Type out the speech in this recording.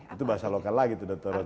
itu bahasa lokal lagi itu dokter rota